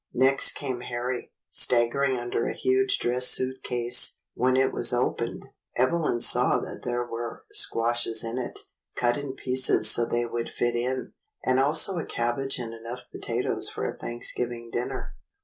Next came Harry, staggering under a huge dress suit case; when it was opened, Evelyn saw that there were squashes in it, cut in pieces so they would fit in, and also a cabbage and enough potatoes for a Thanksgiving dinner.